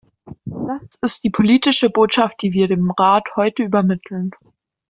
Das ist die politische Botschaft, die wir dem Rat heute übermitteln.